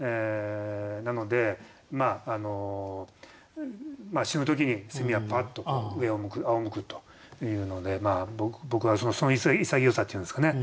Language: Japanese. なので死ぬ時にはパーッと上を向くあおむくというので僕はその潔さというんですかね